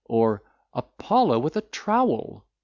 or, Apollo with a trowel!"